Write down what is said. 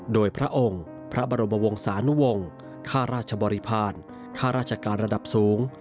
โดยพระองค์พระบรมวงศานุวงศ์ค่าราชบริพาณค่าราชการระดับสูง